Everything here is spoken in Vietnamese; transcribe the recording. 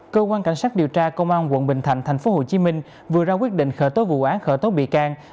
cơ quan cảnh sát điều tra công an quận bình thạnh thành phố hồ chí minh vừa ra quyết định khởi tố vụ án khởi tố bị can